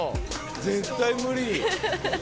絶対無理。